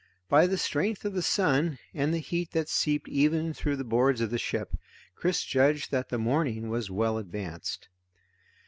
By the strength of the sun and the heat that seeped even through the boards of the ship, Chris judged that the morning was well advanced.